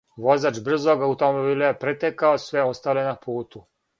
Возач брзог аутомобила је претекао све остале на путу.